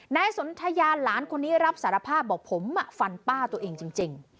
นายสนทยาหลานคนนี้รับสารภาพบอกผมฟันป้าตัวเองจริง